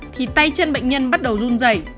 thì tay chân bệnh nhân bắt đầu run dẩy